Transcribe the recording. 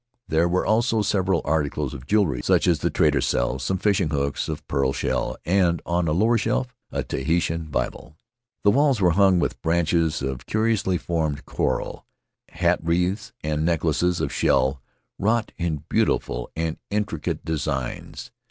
There were also several articles of jewelry such as the traders sell, some fishing hooks of pearl shell, and, on a lower shelf, a Tahitian Bible. The walls were hung with branches of curiously formed coral, hat wreaths and necklaces of shell wrought in beautiful and intricate Faery Lands of the South Seas designs.